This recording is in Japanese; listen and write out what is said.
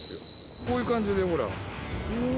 こういう感じで、ほら。